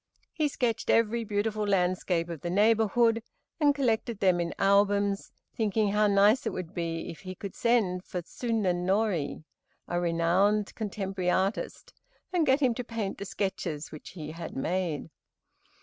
He sketched every beautiful landscape of the neighborhood, and collected them in albums, thinking how nice it would be if he could send for Tsunenori, a renowned contemporary artist, and get him to paint the sketches which he had made.